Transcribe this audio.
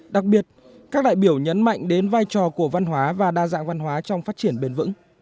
đặc biệt các đại biểu nhấn mạnh đến vai trò của văn hóa và đa dạng văn hóa trong phát triển bền vững